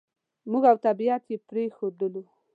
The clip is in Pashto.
موږ او طبعیت یې پرېښوول.